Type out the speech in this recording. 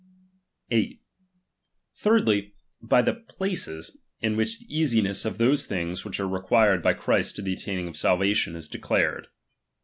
8. Thirdly, by the places, in which the easiness «ri! of those things, which are required by Christ to the Ugiur attaining of salvation, is declared.